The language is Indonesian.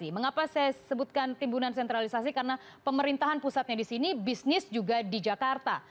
mengapa saya sebutkan timbunan sentralisasi karena pemerintahan pusatnya di sini bisnis juga di jakarta